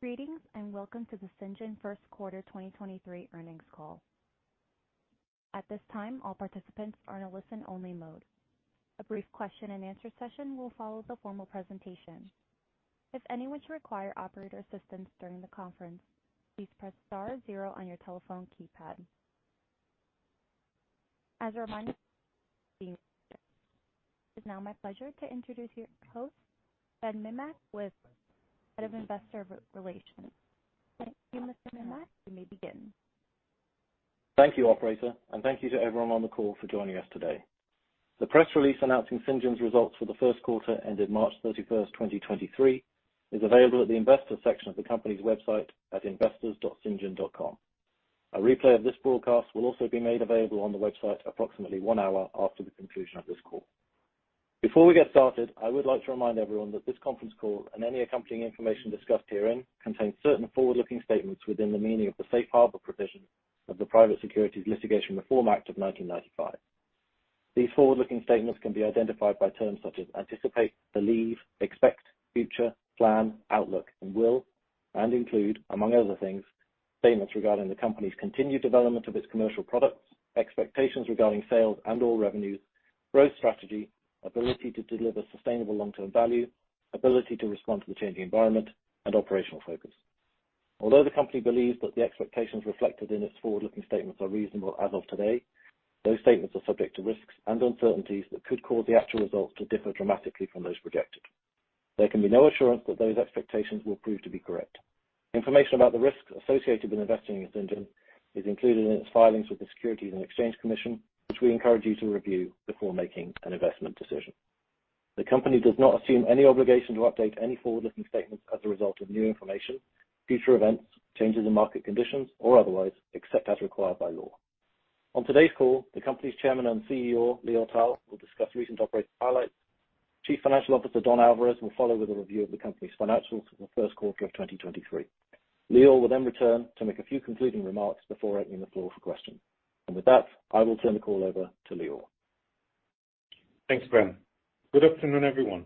Greetings, welcome to the Cyngn Q1 2023 Earnings Call. At this time, all participants are in a listen-only mode. A brief question and answer session will follow the formal presentation. If anyone should require operator assistance during the conference, please press star zero on your telephone keypad. As a reminder it is now my pleasure to introduce your host, Ben Mimmack, with Head of Investor Relations. Thank you, Mr. Mimmack. You may begin. Thank you, operator. Thank you to everyone on the call for joining us today. The press release announcing Cyngn's Results for the Q1 ended March 31st, 2023, is available at the investor section of the company's website at investors.cyngn.com. A replay of this broadcast will also be made available on the website approximately one hour after the conclusion of this call. Before we get started, I would like to remind everyone that this conference call and any accompanying information discussed herein contains certain forward-looking statements within the meaning of the safe harbor provision of the Private Securities Litigation Reform Act of 1995. These forward-looking statements can be identified by terms such as anticipate, believe, expect, future, plan, outlook, and will, and include, among other things, statements regarding the company's continued development of its commercial products, expectations regarding sales and all revenues, growth strategy, ability to deliver sustainable long-term value, ability to respond to the changing environment, and operational focus. Although the company believes that the expectations reflected in its forward-looking statements are reasonable as of today, those statements are subject to risks and uncertainties that could cause the actual results to differ dramatically from those projected. There can be no assurance that those expectations will prove to be correct. Information about the risks associated with investing in Cyngn is included in its filings with the Securities and Exchange Commission, which we encourage you to review before making an investment decision. The company does not assume any obligation to update any forward-looking statements as a result of new information, future events, changes in market conditions or otherwise, except as required by law. On today's call, the company's Chairman and CEO, Lior Tal, will discuss recent operating highlights. Chief Financial Officer Don Alvarez will follow with a review of the company's financials for the Q1 of 2023. Lior will then return to make a few concluding remarks before opening the floor for questions. With that, I will turn the call over to Lior. Thanks, Ben. Good afternoon, everyone.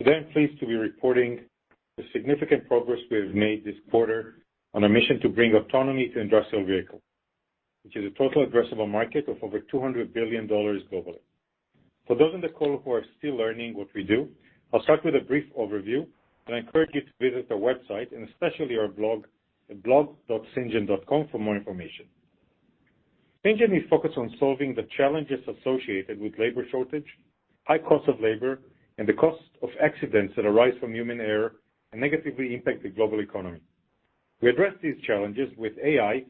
Today, I'm pleased to be reporting the significant progress we have made this quarter on a mission to bring autonomy to industrial vehicles, which is a total addressable market of over $200 billion globally. For those on the call who are still learning what we do, I'll start with a brief overview, and I encourage you to visit our website and especially our blog at blog.cyngn.com for more information. Cyngn is focused on solving the challenges associated with labor shortage, high cost of labor, and the cost of accidents that arise from human error and negatively impact the global economy. We address these challenges with AI,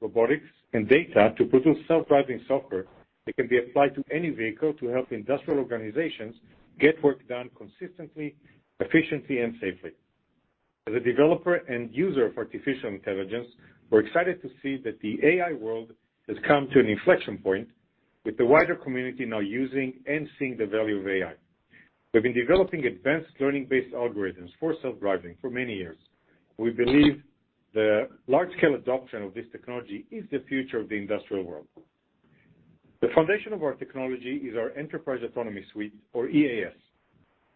robotics, and data to produce self-driving software that can be applied to any vehicle to help industrial organizations get work done consistently, efficiently, and safely. As a developer and user of artificial intelligence, we're excited to see that the AI world has come to an inflection point, with the wider community now using and seeing the value of AI. We've been developing advanced learning-based algorithms for self-driving for many years. We believe the large-scale adoption of this technology is the future of the industrial world. The foundation of our technology is our Enterprise Autonomy Suite, or EAS.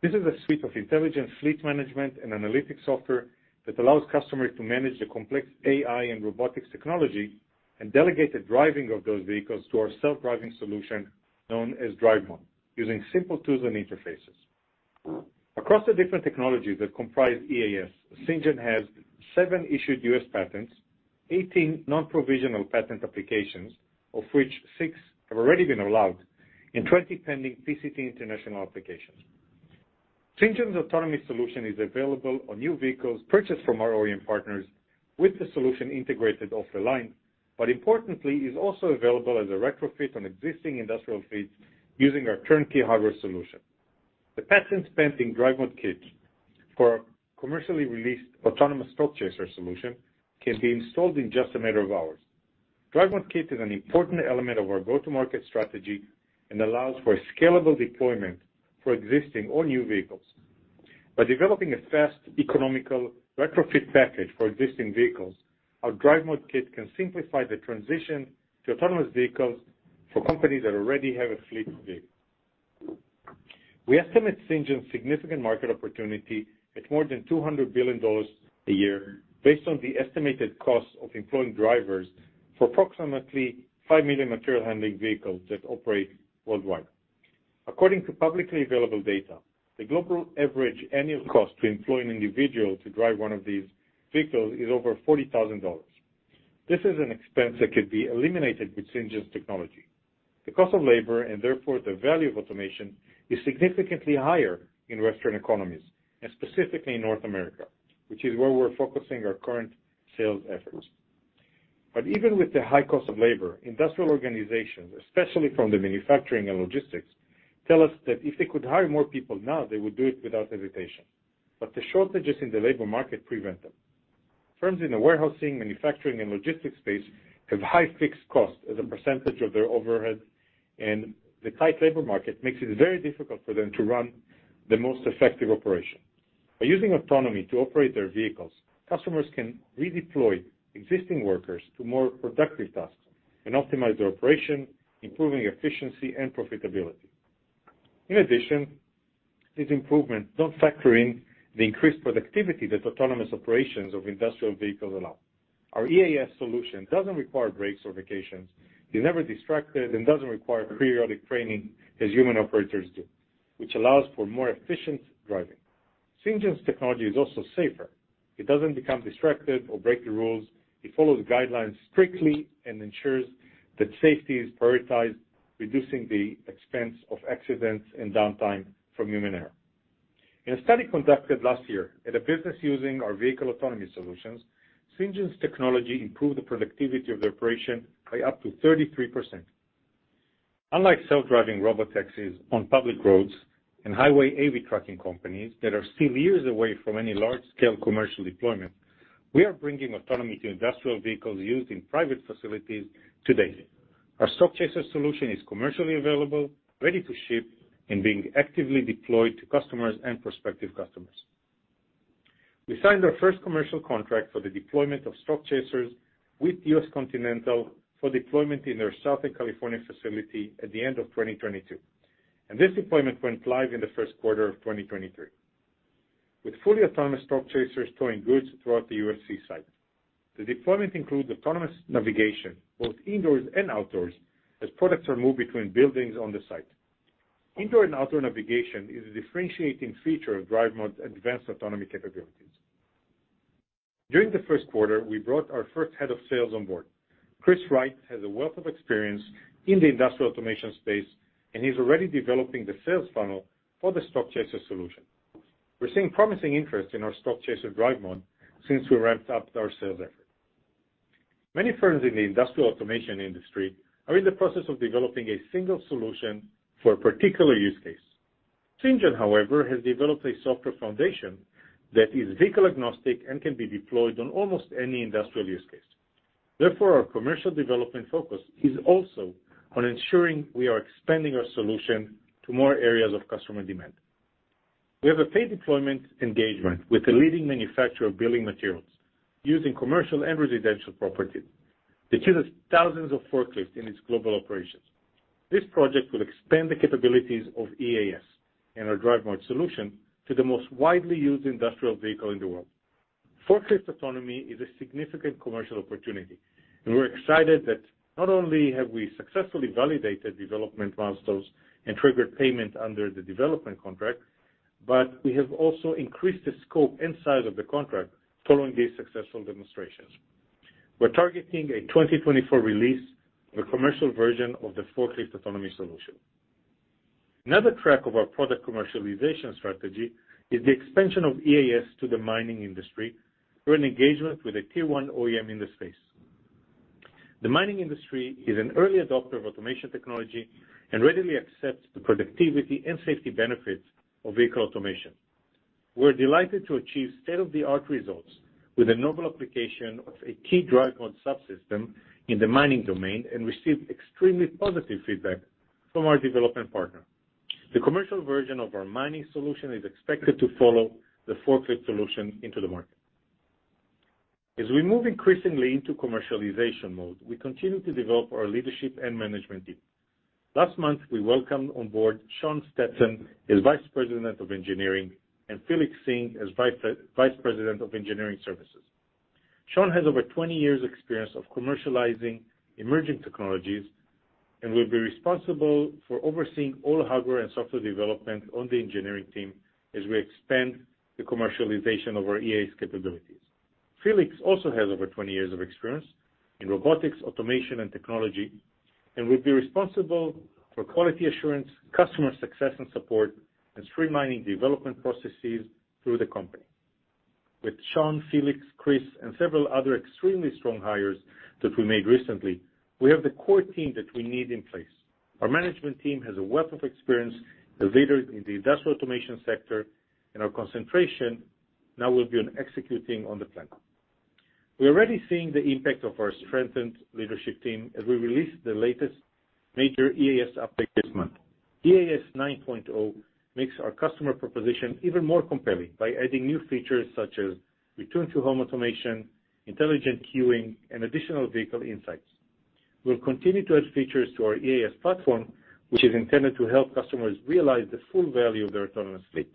This is a suite of intelligent fleet management and analytics software that allows customers to manage the complex AI and robotics technology and delegate the driving of those vehicles to our self-driving solution known as DriveMod, using simple tools and interfaces. Across the different technologies that comprise EAS, Cyngn has seven issued U.S. patents, 18 non-provisional patent applications, of which six have already been allowed, and 20 pending PCT international applications. Cyngn's autonomy solution is available on new vehicles purchased from our OEM partners with the solution integrated off the line, but importantly, is also available as a retrofit on existing industrial fleets using our turnkey hardware solution. The patents spent in DriveMod Kit for our commercially released autonomous Stockchaser solution can be installed in just a matter of hours. DriveMod Kit is an important element of our go-to-market strategy and allows for scalable deployment for existing or new vehicles. By developing a fast, economical retrofit package for existing vehicles, our DriveMod Kit can simplify the transition to autonomous vehicles for companies that already have a fleet of vehicles. We estimate Cyngn's significant market opportunity at more than $200 billion a year based on the estimated cost of employing drivers for approximately 5 million material handling vehicles that operate worldwide. According to publicly available data, the global average annual cost to employ an individual to drive one of these vehicles is over $40,000. This is an expense that could be eliminated with Cyngn's technology. The cost of labor, and therefore the value of automation, is significantly higher in Western economies, and specifically North America, which is where we're focusing our current sales efforts. Even with the high cost of labor, industrial organizations, especially from the manufacturing and logistics, tell us that if they could hire more people now, they would do it without hesitation. The shortages in the labor market prevent them. Firms in the warehousing, manufacturing, and logistics space have high fixed costs as a percentage of their overhead, and the tight labor market makes it very difficult for them to run the most effective operation. By using autonomy to operate their vehicles, customers can redeploy existing workers to more productive tasks and optimize their operation, improving efficiency and profitability. In addition, these improvements don't factor in the increased productivity that autonomous operations of industrial vehicles allow. Our EAS solution doesn't require breaks or vacations, is never distracted, and doesn't require periodic training as human operators do, which allows for more efficient driving. Cyngn's technology is also safer. It doesn't become distracted or break the rules. It follows guidelines strictly and ensures that safety is prioritized, reducing the expense of accidents and downtime from human error. In a study conducted last year at a business using our vehicle autonomy solutions, Cyngn's technology improved the productivity of their operation by up to 33%. Unlike self-driving robotaxis on public roads and highway AV trucking companies that are still years away from any large-scale commercial deployment, we are bringing autonomy to industrial vehicles used in private facilities today. Our Stockchaser solution is commercially available, ready to ship, and being actively deployed to customers and prospective customers. We signed our first commercial contract for the deployment of Stockchasers with U.S. Continental for deployment in their Southern California facility at the end of 2022, and this deployment went live in the Q1 of 2023. With fully autonomous Stockchasers towing goods throughout the USC site. The deployment includes autonomous navigation, both indoors and outdoors, as products are moved between buildings on the site. Indoor and outdoor navigation is a differentiating feature of DriveMod's advanced autonomy capabilities. During the Q1, we brought our first head of sales on board. Chris Wright has a wealth of experience in the industrial automation space, he's already developing the sales funnel for the Stockchaser solution. We're seeing promising interest in our Stockchaser DriveMod since we ramped up our sales effort. Many firms in the industrial automation industry are in the process of developing a single solution for a particular use case. Cyngn, however, has developed a software foundation that is vehicle-agnostic and can be deployed on almost any industrial use case. Our commercial development focus is also on ensuring we are expanding our solution to more areas of customer demand. We have a paid deployment engagement with a leading manufacturer of building materials using commercial and residential properties that uses thousands of forklifts in its global operations. This project will expand the capabilities of EAS and our DriveMod solution to the most widely used industrial vehicle in the world. Forklift autonomy is a significant commercial opportunity, and we're excited that not only have we successfully validated development milestones and triggered payment under the development contract, but we have also increased the scope and size of the contract following these successful demonstrations. We're targeting a 2024 release of a commercial version of the forklift autonomy solution. Another track of our product commercialization strategy is the expansion of EAS to the mining industry through an engagement with a tier one OEM in the space. The mining industry is an early adopter of automation technology and readily accepts the productivity and safety benefits of vehicle automation. We're delighted to achieve state-of-the-art results with a novel application of a key DriveMod subsystem in the mining domain and receive extremely positive feedback from our development partner. The commercial version of our mining solution is expected to follow the forklift solution into the market. As we move increasingly into commercialization mode, we continue to develop our leadership and management team. Last month, we welcomed on board Sean Stetson as Vice President of Engineering and Felix Singh as Vice President of Engineering Services. Sean has over 20 years experience of commercializing emerging technologies and will be responsible for overseeing all hardware and software development on the engineering team as we expand the commercialization of our EAS capabilities. Felix also has over 20 years of experience in robotics, automation, and technology and will be responsible for quality assurance, customer success and support, and streamlining development processes through the company. With Sean, Felix, Chris, and several other extremely strong hires that we made recently, we have the core team that we need in place. Our management team has a wealth of experience as leaders in the industrial automation sector, and our concentration now will be on executing on the plan. We are already seeing the impact of our strengthened leadership team as we release the latest major EAS update this month. EAS 9.0 makes our customer proposition even more compelling by adding new features such as Return to Home Automation, intelligent queuing, and additional vehicle insights. We'll continue to add features to our EAS platform, which is intended to help customers realize the full value of their autonomous fleet.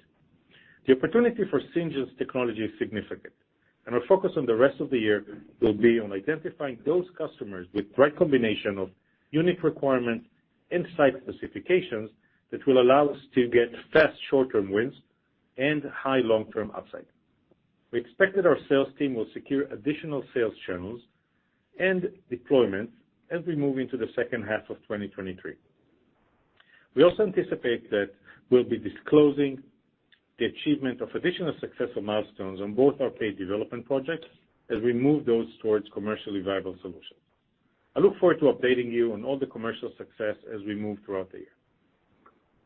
The opportunity for Cyngn's technology is significant, and our focus on the rest of the year will be on identifying those customers with the right combination of unique requirements and site specifications that will allow us to get fast short-term wins and high long-term upside. We expect that our sales team will secure additional sales channels and deployments as we move into the second half of 2023. We also anticipate that we'll be disclosing the achievement of additional successful milestones on both our paid development projects as we move those towards commercially viable solutions. I look forward to updating you on all the commercial success as we move throughout the year.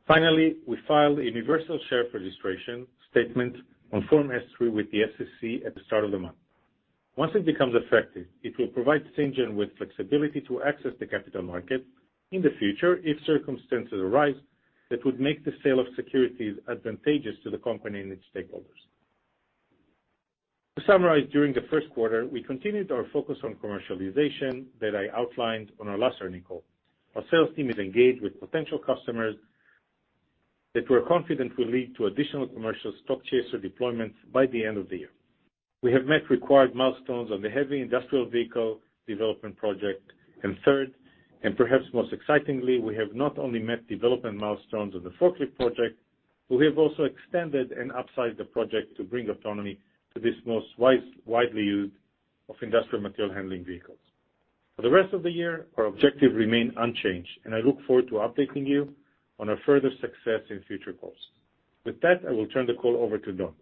We filed a universal share registration statement on Form S-3 with the SEC at the start of the month. Once it becomes effective, it will provide Cyngn with flexibility to access the capital market in the future if circumstances arise that would make the sale of securities advantageous to the company and its stakeholders. To summarize, during the Q1, we continued our focus on commercialization that I outlined on our last earning call. Our sales team is engaged with potential customers that we're confident will lead to additional commercial Stockchaser deployments by the end of the year. We have met required milestones on the heavy industrial vehicle development project. Third, and perhaps most excitingly, we have not only met development milestones of the forklift project, but we have also extended and upside the project to bring autonomy to this most widely used of industrial material handling vehicles. For the rest of the year, our objective remain unchanged, and I look forward to updating you on our further success in future calls. With that, I will turn the call over to Don.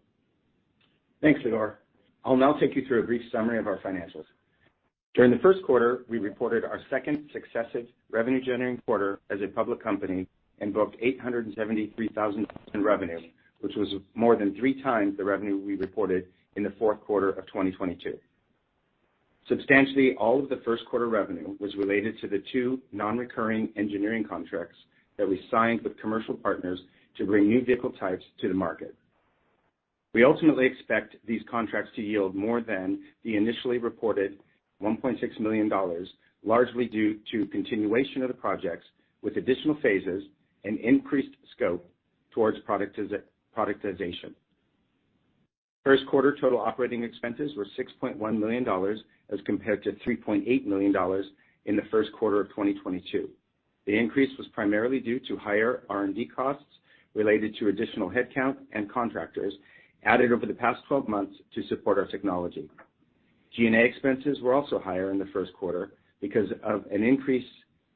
Thanks, Lior. I'll now take you through a brief summary of our financials. During the Q1, we reported our second successive revenue-generating quarter as a public company and booked $873,000 in revenue, which was more than three times the revenue we reported in the fourth quarter of 2022. Substantially, all of the Q1 revenue was related to the two non-recurring engineering contracts that we signed with commercial partners to bring new vehicle types to the market. We ultimately expect these contracts to yield more than the initially reported $1.6 million, largely due to continuation of the projects with additional phases and increased scope towards productization. Q1 total operating expenses were $6.1 million as compared to $3.8 million in the Q1 of 2022. The increase was primarily due to higher R&D costs related to additional headcount and contractors added over the past 12 months to support our technology. G&A expenses were also higher in the Q1 because of an increase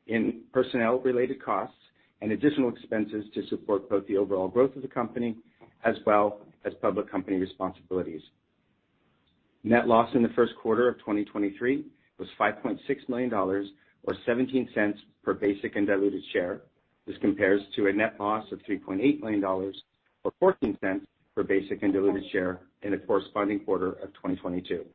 in personnel-related costs and additional expenses to support both the overall growth of the company as well as public company responsibilities. Net loss in the Q1 of 2023 was $5.6 million or $0.17 per basic and diluted share. This compares to a net loss of $3.8 million or $0.14 per basic and diluted share in the corresponding quarter of 2022.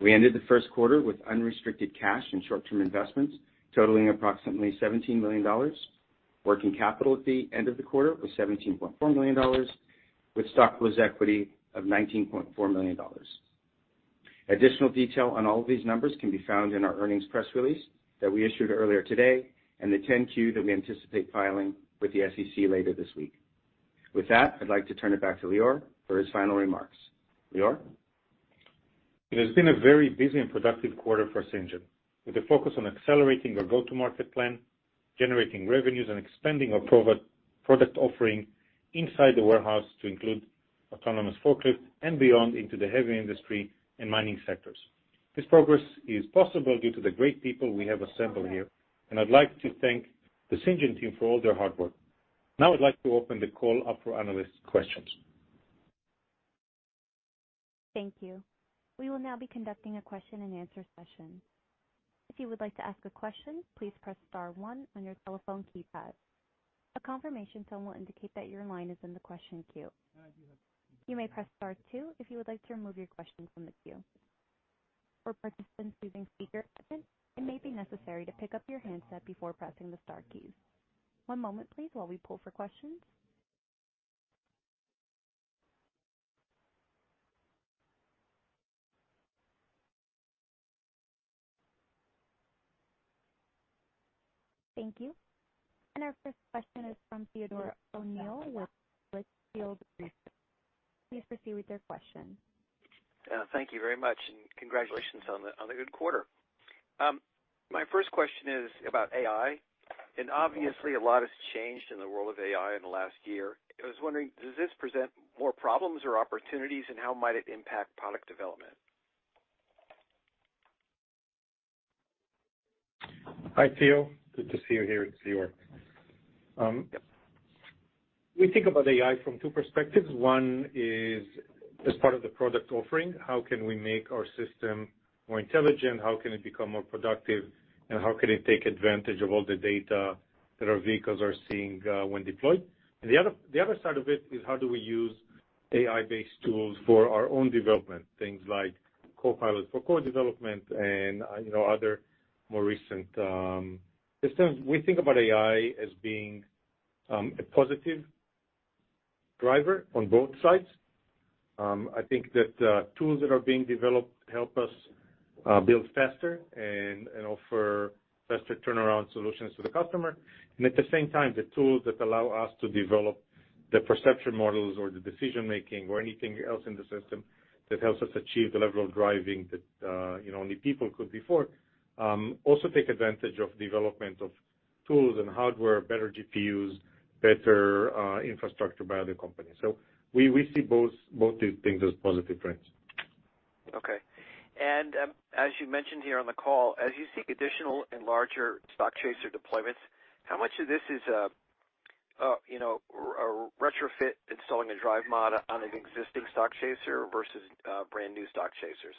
We ended the Q1 with unrestricted cash and short-term investments totaling approximately $17 million. Working capital at the end of the quarter was $17.4 million, with stock close equity of $19.4 million. Additional detail on all of these numbers can be found in our earnings press release that we issued earlier today and the 10-Q that we anticipate filing with the SEC later this week. I'd like to turn it back to Lior for his final remarks. Lior. It has been a very busy and productive quarter for Cyngn with a focus on accelerating our go-to-market plan, generating revenues, and expanding our product offering inside the warehouse to include autonomous forklift and beyond into the heavy industry and mining sectors. This progress is possible due to the great people we have assembled here, I'd like to thank the Cyngn team for all their hard work. Now, I'd like to open the call up for analyst questions. Thank you. We will now be conducting a question-and-answer session. If you would like to ask a question, please press star one on your telephone keypad. A confirmation tone will indicate that your line is in the question queue. You may press star two if you would like to remove your question from the queue. For participants using speakerphone, it may be necessary to pick up your handset before pressing the star keys. one moment, please, while we pull for questions. Thank you. Our first question is from Theodore O'Neill with Litchfield Hills Research. Please proceed with your question. Thank you very much, and congratulations on the good quarter. My first question is about AI, and obviously a lot has changed in the world of AI in the last year. I was wondering, does this present more problems or opportunities, and how might it impact product development? Hi, Theo. Good to see you here. It's Lior. We think about AI from two perspectives. One is as part of the product offering, how can we make our system more intelligent, how can it become more productive, and how can it take advantage of all the data that our vehicles are seeing when deployed. The other side of it is how do we use AI-based tools for our own development, things like Copilot for code development and, you know, other more recent systems. We think about AI as being a positive driver on both sides. I think that tools that are being developed help us build faster and offer faster turnaround solutions to the customer. At the same time, the tools that allow us to develop the perception models or the decision-making or anything else in the system that helps us achieve the level of driving that, you know, only people could before, also take advantage of development of tools and hardware, better GPUs, better infrastructure by other companies. We see both these things as positive trends. Okay. As you mentioned here on the call, as you seek additional and larger Stockchaser deployments, how much of this is, you know, a retrofit installing a DriveMod on an existing Stockchaser versus, brand-new Stockchasers?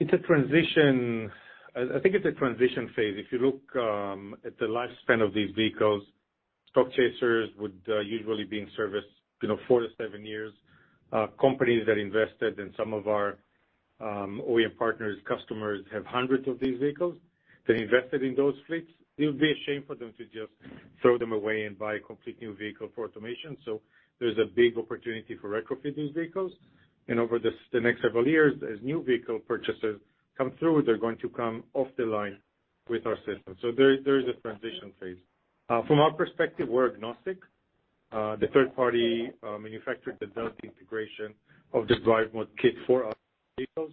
It's a transition. I think it's a transition phase. If you look at the lifespan of these vehicles, Stockchasers would usually be in service, you know, four to seven. Companies that invested in some of our OEM partners, customers have hundreds of these vehicles. They invested in those fleets. It would be a shame for them to just throw them away and buy a complete new vehicle for automation. There's a big opportunity for retrofitting vehicles. Over the next several years, as new vehicle purchases come through, they're going to come off the line with our system. There is a transition phase. From our perspective, we're agnostic. The third party manufacturer that does the integration of the DriveMod Kit for our vehicles,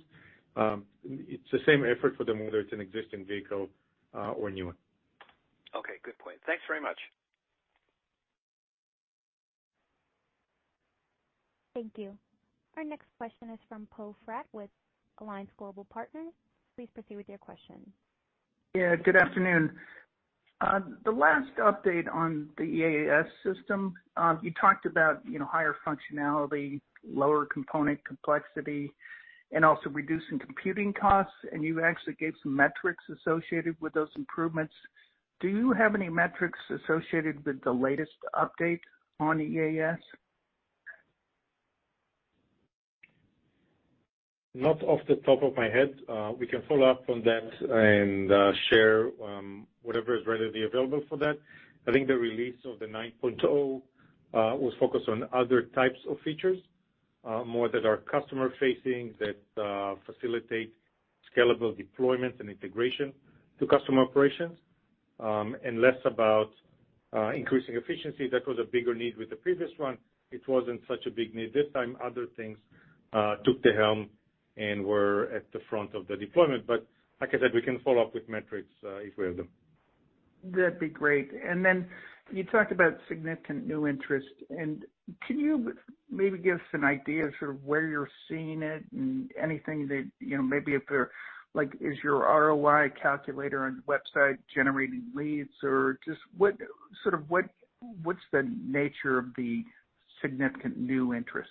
it's the same effort for them, whether it's an existing vehicle, or a new one. Okay, good point. Thanks very much. Thank you. Our next question is from Poe Fratt with Alliance Global Partners. Please proceed with your question. Yeah, good afternoon. The last update on the EAS system, you talked about, you know, higher functionality, lower component complexity, and also reducing computing costs, and you actually gave some metrics associated with those improvements. Do you have any metrics associated with the latest update on EAS? Not off the top of my head. We can follow up on that and share whatever is readily available for that. I think the release of the 9.0 was focused on other types of features, more that are customer facing, that facilitate scalable deployment and integration to customer operations, and less about increasing efficiency. That was a bigger need with the previous one. It wasn't such a big need this time. Other things took the helm and were at the front of the deployment. Like I said, we can follow up with metrics if we have them. That'd be great. Then you talked about significant new interest. Can you maybe give us an idea of sort of where you're seeing it and anything that, you know, maybe if there, like, is your ROI Calculator on your website generating leads? Just what, sort of, what's the nature of the significant new interest?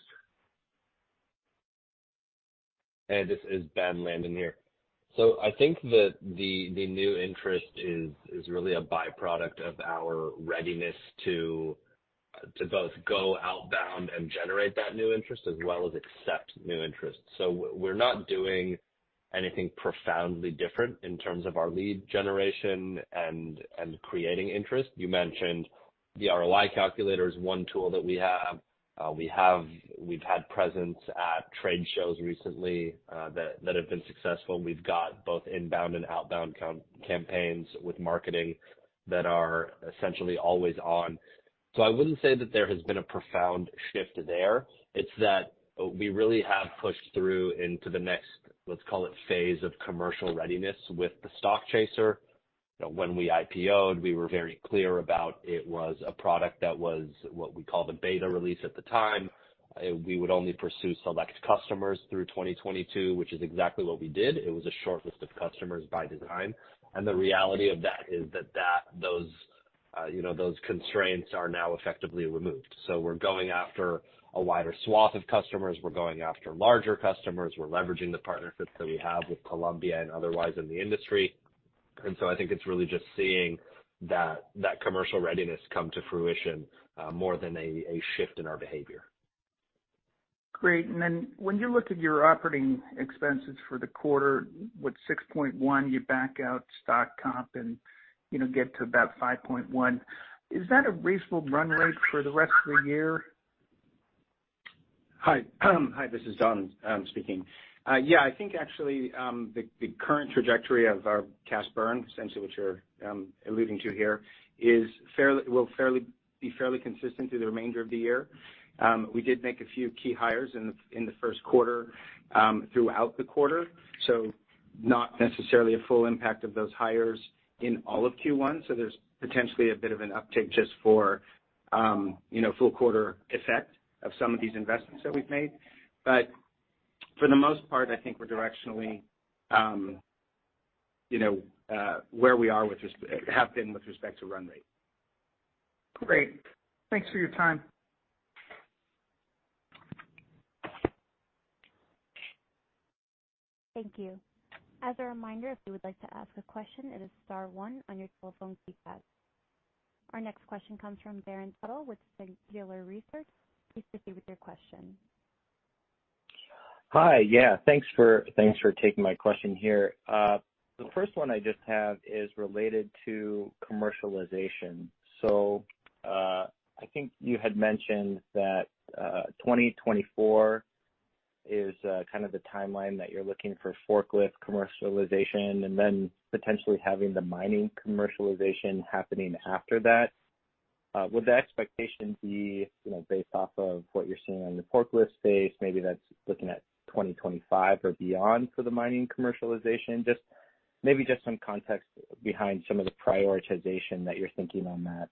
Hey, this is Ben Landen here. I think that the new interest is really a byproduct of our readiness to both go outbound and generate that new interest as well as accept new interest. We're not doing anything profoundly different in terms of our lead generation and creating interest. You mentioned the ROI Calculator is one tool that we have. We've had presence at trade shows recently that have been successful. We've got both inbound and outbound campaigns with marketing that are essentially always on. I wouldn't say that there has been a profound shift there. It's that we really have pushed through into the next, let's call it phase of commercial readiness with the Stockchaser. When we IPO'd, we were very clear about it was a product that was what we call the beta release at the time. We would only pursue select customers through 2022, which is exactly what we did. It was a short list of customers by design. The reality of that is that those, you know, those constraints are now effectively removed. We're going after a wider swath of customers. We're going after larger customers. We're leveraging the partnerships that we have with Columbia and otherwise in the industry. I think it's really just seeing that commercial readiness come to fruition, more than a shift in our behavior. Great. Then when you look at your operating expenses for the quarter, with $6.1 million, you back out stock comp and, you know, get to about $5.1 million. Is that a reasonable run rate for the rest of the year? Hi. Hi, this is Don, speaking. Yeah, I think actually, the current trajectory of our cash burn, essentially what you're, alluding to here is fairly, will fairly, be fairly consistent through the remainder of the year. We did make a few key hires in the, in the Q1, throughout the quarter, so not necessarily a full impact of those hires in all of Q1. There's potentially a bit of an uptick just for, you know, full quarter effect of some of these investments that we've made. For the most part, I think we're directionally, you know, where we are with have been with respect to run rate. Great. Thanks for your time. Thank you. As a reminder, if you would like to ask a question, it is star one on your telephone keypad. Our next question comes from Darin Tuttle with Singular Research. Please proceed with your question. Hi. Yeah, thanks for taking my question here. The first one I just have is related to commercialization. I think you had mentioned that 2024 is kind of the timeline that you're looking for forklift commercialization and then potentially having the mining commercialization happening after that. Would the expectation be, you know, based off of what you're seeing on the forklift space, maybe that's looking at 2025 or beyond for the mining commercialization? Just maybe some context behind some of the prioritization that you're thinking on that.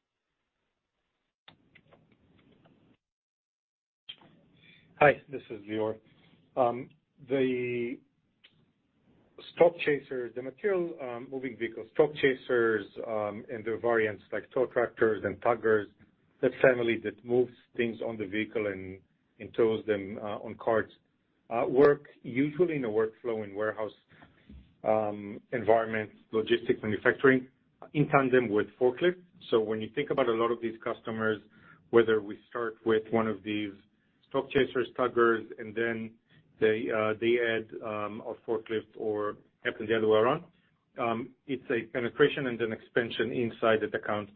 Hi, this is Lior. The Stockchaser, the material moving vehicles, Stockchasers, and their variants like tow tractors and tuggers, that family that moves things on the vehicle and tows them on carts, work usually in a workflow in warehouse environment, logistics, manufacturing in tandem with forklifts. When you think about a lot of these customers, whether we start with one of these Stockchaser tuggers and then they add a forklift or happen the other way around, it's a penetration and an expansion inside that account,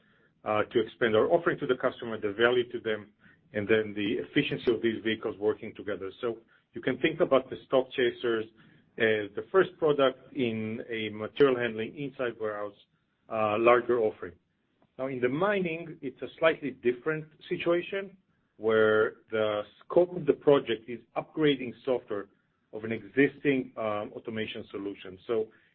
to expand our offering to the customer, the value to them, and then the efficiency of these vehicles working together. You can think about the Stockchasers as the first product in a material handling inside warehouse, larger offering. In the mining, it's a slightly different situation, where the scope of the project is upgrading software of an existing automation solution.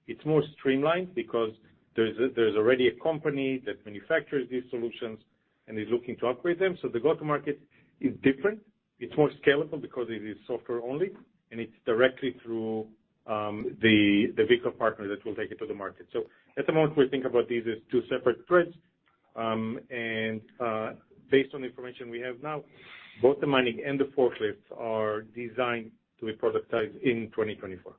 It's more streamlined because there's already a company that manufactures these solutions and is looking to upgrade them. The go-to-market is different. It's more scalable because it is software only, and it's directly through the vehicle partner that will take it to the market. At the moment, we think about these as two separate threads. Based on the information we have now, both the mining and the forklifts are designed to be productized in 2024.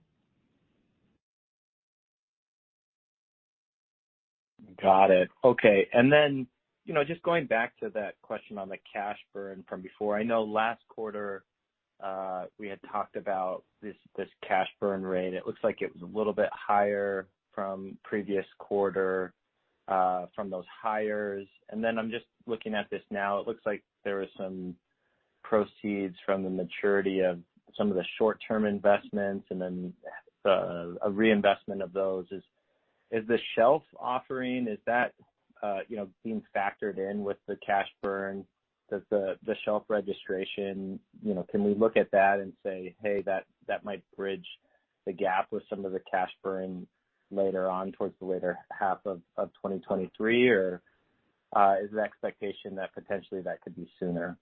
Got it. Okay. You know, just going back to that question on the cash burn from before. I know last quarter, we had talked about this cash burn rate. It looks like it was a little bit higher from previous quarter, from those hires. I'm just looking at this now, it looks like there was some proceeds from the maturity of some of the short-term investments and then, a reinvestment of those. Is the shelf offering, is that, you know, being factored in with the cash burn? Does the shelf registration, you know, can we look at that and say, Hey, that might bridge the gap with some of the cash burn later on towards the later half of 2023? Is the expectation that potentially that could be sooner?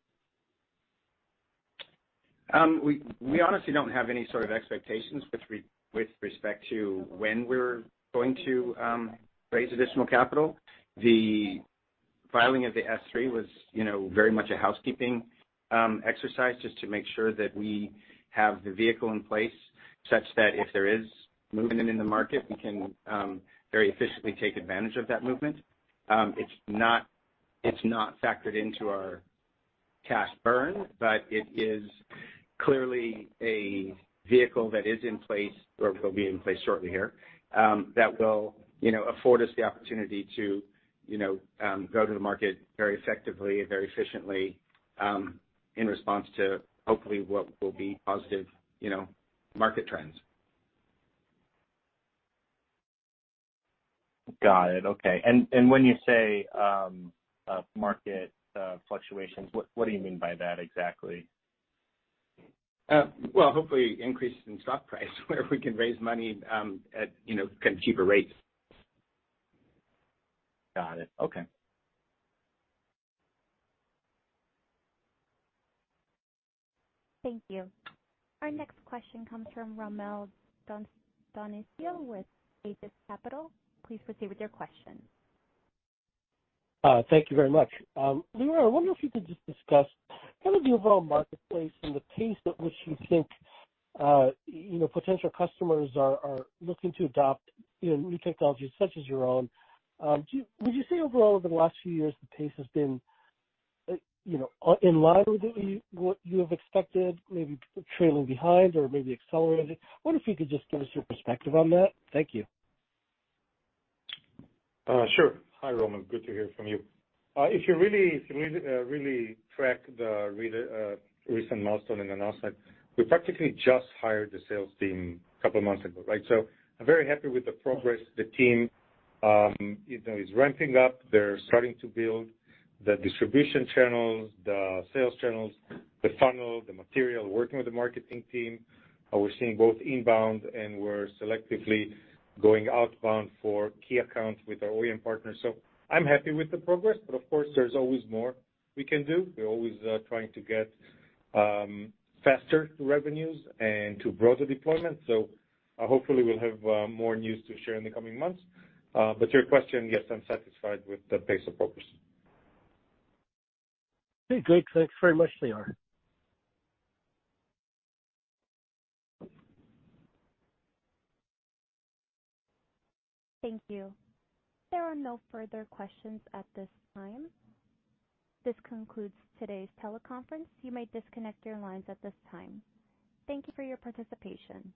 We honestly don't have any sort of expectations with respect to when we're going to raise additional capital. The filing of the S-3 was, you know, very much a housekeeping exercise just to make sure that we have the vehicle in place such that if there is movement in the market, we can very efficiently take advantage of that movement. It's not factored into our cash burn, but it is clearly a vehicle that is in place or will be in place shortly here, that will, you know, afford us the opportunity to, you know, go to the market very effectively and very efficiently in response to hopefully what will be positive, you know, market trends. Got it. Okay. When you say, market fluctuations, what do you mean by that exactly? well, hopefully increase in stock price, where we can raise money, at, you know, kind of cheaper rates. Got it. Okay. Thank you. Our next question comes from Rommel Dionisio with Aegis Capital. Please proceed with your question. Thank you very much. Lior, I wonder if you could just discuss kind of the overall marketplace and the pace at which you think, you know, potential customers are looking to adopt, you know, new technologies such as your own. Would you say overall over the last few years, the pace has been, you know, in line with what you have expected, maybe trailing behind or maybe accelerated? I wonder if you could just give us your perspective on that. Thank you. Sure. Hi, Rommel Dionisio. Good to hear from you. If you really, really track the recent milestone and the milestones, we practically just hired the sales team a couple of months ago, right? I'm very happy with the progress. The team, you know, is ramping up. They're starting to build the distribution channels, the sales channels, the funnel, the material, working with the marketing team. We're seeing both inbound, and we're selectively going outbound for key accounts with our OEM partners. I'm happy with the progress, but of course, there's always more we can do. We're always trying to get faster to revenues and to grow the deployment. Hopefully we'll have more news to share in the coming months. But to your question, yes, I'm satisfied with the pace of progress. Okay, great. Thanks very much, Lior. Thank you. There are no further questions at this time. This concludes today's teleconference. You may disconnect your lines at this time. Thank you for your participation.